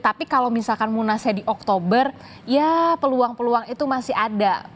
tapi kalau misalkan munasnya di oktober ya peluang peluang itu masih ada